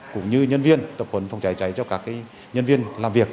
cũng như nhân viên tập huấn phòng cháy cháy cho các nhân viên làm việc